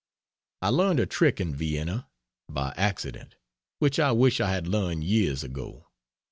I learned a trick in Vienna by accident which I wish I had learned years ago.